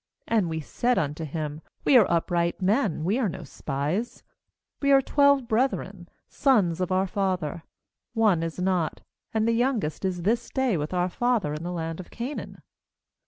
31And we said unto him: We are upright men; we are no spies 32We are twelve brethren, sons of our father; one is not, and the youngest is this day with our father in the land of Canaan.